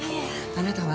あなたは？